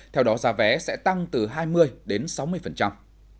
theo đó giá vé sẽ tăng từ hai mươi đến sáu mươi